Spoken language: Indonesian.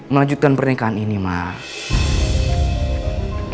melanjutkan pernikahan ini mak